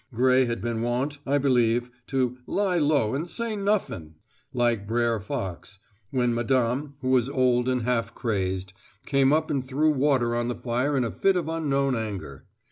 Gray had been wont, I believe, to "lie low and say nuffin," like Brer Fox, when Madame, who was old and half crazed, came up and threw water on the fire in a fit of unknown anger.